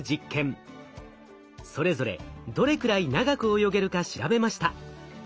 それぞれどれくらい長く泳げるか調べました。